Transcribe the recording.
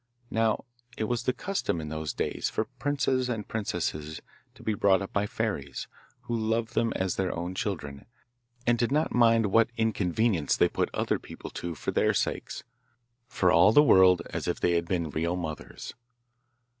Now it was the custom in those days for princes and princesses to be brought up by fairies, who loved them as their own children, and did not mind what inconvenience they put other people to for their sakes, for all the world as if they had been real mothers.